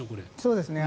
そうですね。